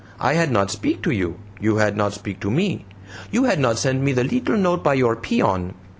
I had not speak to you, you had not speak to me. You had not sent me the leetle note by your peon."